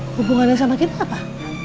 hubungannya sama kita apa